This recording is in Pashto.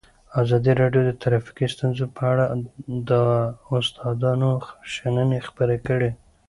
ازادي راډیو د ټرافیکي ستونزې په اړه د استادانو شننې خپرې کړي.